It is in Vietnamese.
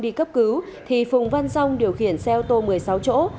khi phùng văn song đi cấp cứu thì phùng văn song điều khiển xe ô tô một mươi sáu chỗ